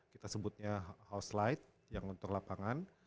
kita sebutnya house light yang untuk lapangan